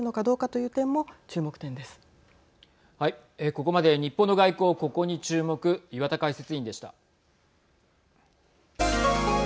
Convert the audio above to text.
ここまで日本の外交ここに注目岩田解説委員でした。